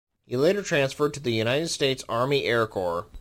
He later transferred to the United States Army Air Corps.